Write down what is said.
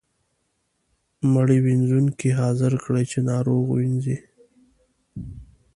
مړي وينځونکی حاضر کړئ چې ناروغ ووینځي.